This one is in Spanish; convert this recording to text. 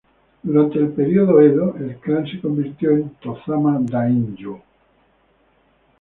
Durante el período Edo el clan se convirtió en "tozama-daimyō".